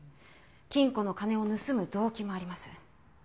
金庫の金を盗む動機もあります。